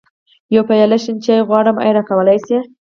يوه پياله شين چای غواړم، ايا راکولی يې شې؟